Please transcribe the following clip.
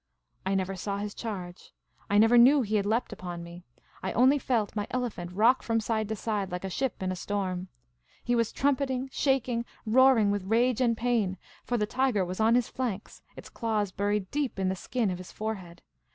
I never saw his charge. I never knew he had leapt upon me. I only felt my elephant rock from side to side like a ship in a storm. He was trumpeting, shaking, roaring with rage and pain, for the tiger was on his flanks, its claws buried deep in the skin of his forehead.